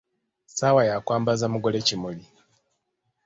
Ssaawa ya kwambaza mugole kimuli.